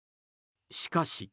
しかし。